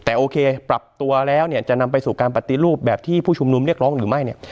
แต่โอเคปรับตัวแล้วเนี่ยจะนำไปสู่การปฏิรูปแบบที่ผู้ชุมนุมเรียกร้องหรือไม่เนี่ย